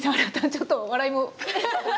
ちょっと笑いも。